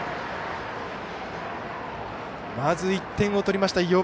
まず１点を取りました